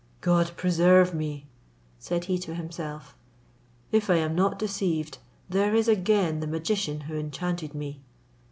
"God preserve me," said he to himself; "if I am not deceived, there is again the magician who enchanted me!"